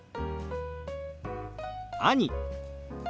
「兄」。